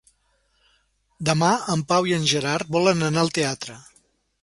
Demà en Pau i en Gerard volen anar al teatre.